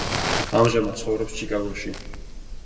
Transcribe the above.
ამჟამად ცხოვრობს ჩიკაგოში.